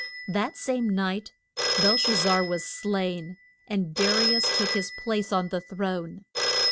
] That same night Bel shaz zar was slain, and Da ri us took his place on the throne.